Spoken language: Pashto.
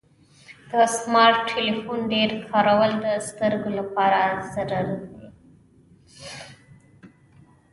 د سمارټ ټلیفون ډیر کارول د سترګو لپاره ضرري دی.